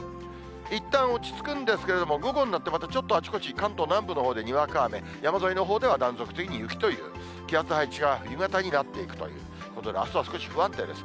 いったん、落ち着くんですけれども、午後になって、またちょっとあちこち、関東南部のほうでにわか雨、山沿いのほうでは断続的に雪という、気圧配置が、夕方になっていくということで、あすは少し不安定です。